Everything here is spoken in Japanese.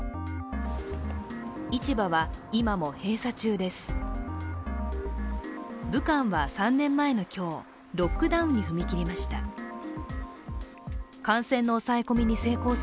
市場は今も閉鎖中です。